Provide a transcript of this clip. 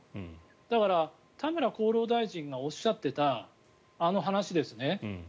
だから、田村厚労大臣がおっしゃってたあの話ですね。